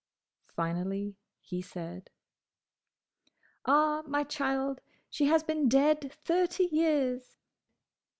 Finally he said, "Ah, my child, she has been dead thirty years!"